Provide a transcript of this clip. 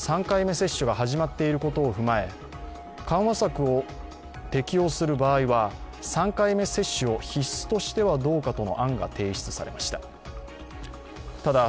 ３回目接種が始まっていることを踏まえ、緩和策を適用する場合は３回目接種を必須としてはどうかという案が提出されました。